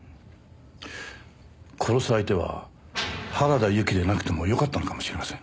殺す相手は原田由紀でなくてもよかったのかもしれません。